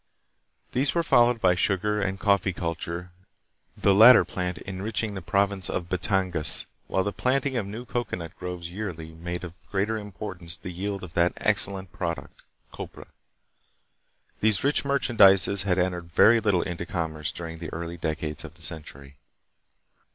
These were followed by sugar and coffee_culture, trie latter plant enriching the province of Batangas, while the planting of 259 260 THE PHILIPPINES. new cocoanut groves yearly made of greater importance the yield of that excellent product, copra. These rich merchandises had entered very little into commerce during the early decades of the century.